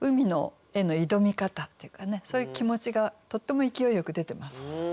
そういう気持ちがとっても勢いよく出てます。